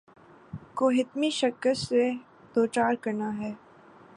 کو حتمی شکست سے دوچار کرنا ہے۔